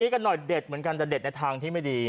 กันหน่อยเด็ดเหมือนกันแต่เด็ดในทางที่ไม่ดี